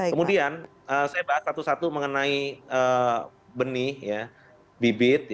kemudian saya bahas satu satu mengenai benih bibit